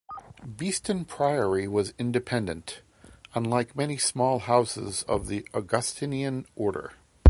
Beeston Priory was independent, unlike many small houses of the Augustinian Order.